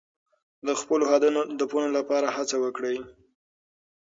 د خپلو هدفونو لپاره هڅه وکړئ.